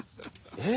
えっ？